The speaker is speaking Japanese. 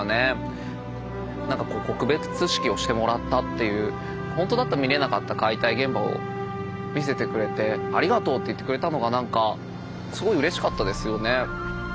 なんか告別式をしてもらったという本当だと見れなかった解体現場を見せてくれてありがとうって言ってくれたのがなんかすごいうれしかったですよね。